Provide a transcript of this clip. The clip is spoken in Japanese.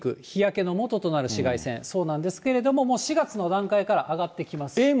日焼けのもととなる紫外線、そうなんですけれども、もう４月の段階から上がってきます。